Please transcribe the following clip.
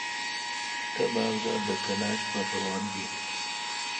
تے باگ دا بہ کلاش پر روان بیل۔